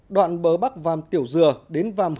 đoạn bớ bắc vàm tiểu dừa đến vàm hồ